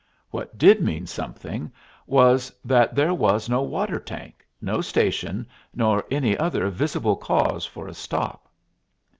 What did mean something was that there was no water tank, no station, nor any other visible cause for a stop.